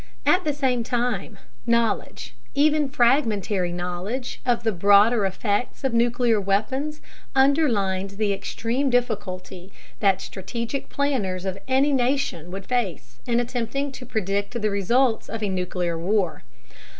At the same time, knowledge, even fragmentary knowledge, of the broader effects of nuclear weapons underlines the extreme difficulty that strategic planners of any nation would face in attempting to predict the results of a nuclear war.